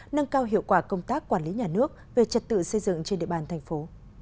nâng cao hiệu quả công tác quản lý nhà nước về trật tự xây dựng trên địa bàn thành phố